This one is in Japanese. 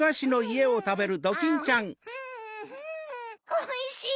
おいしい！